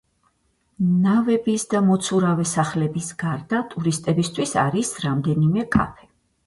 ნავების და მოცურავე სახლების გარდა ტურისტებისთვის არის რამდენიმე კაფე.